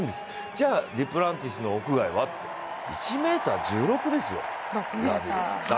じゃあデュプランティスの屋外は、６ｍ１６ですよ。